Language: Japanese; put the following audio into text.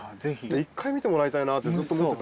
一回見てもらいたいなってずっと思ってたんで。